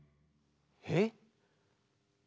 えっ？